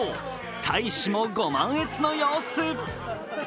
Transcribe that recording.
大使もご満悦の様子。